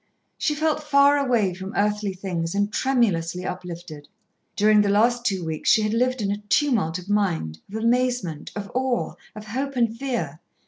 She felt far away from earthly things and tremulously uplifted. During the last two weeks she had lived in a tumult of mind, of amazement, of awe, of hope and fear.